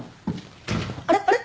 あれあれ！？